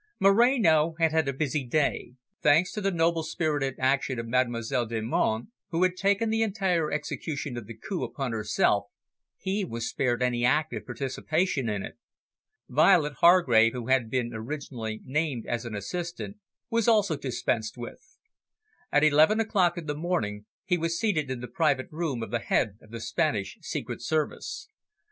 Moreno had a busy day. Thanks to the noble spirited action of Mademoiselle Delmonte, who had taken the entire execution of the coup upon herself, he was spared any active participation in it. Violet Hargrave, who had been originally named as an assistant, was also dispensed with. At eleven o'clock in the morning, he was seated in the private room of the Head of the Spanish Secret Service.